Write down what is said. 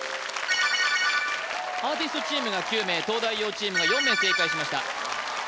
アーティストチームが９名東大王チームが４名正解しました